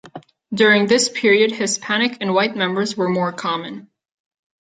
During this period Hispanic and white members were more common.